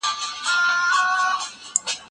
چي قاضي ته چا ورکړئ دا فرمان دی